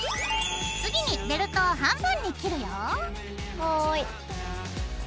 はい。